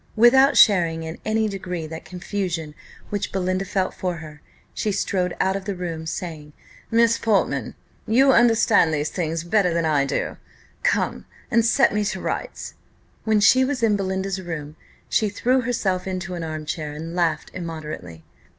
Without sharing in any degree that confusion which Belinda felt for her, she strode out of the room, saying, "Miss Portman, you understand these things better than I do; come and set me to rights." When she was in Belinda's room, she threw herself into an arm chair, and laughed immoderately.